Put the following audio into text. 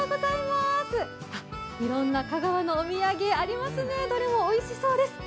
いろんな香川のお土産、ありますねどれもおいしそうです。